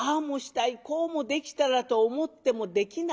もしたいこうもできたらと思ってもできない。